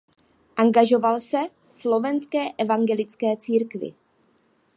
Angažoval se v slovenské evangelické církvi.